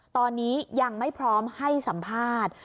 ตอนนี้ยังไม่พร้อมให้สัมภาษณ์